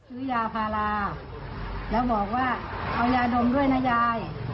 ซื้อยาพาราแล้วบอกว่าเอายาดมด้วยนะยาย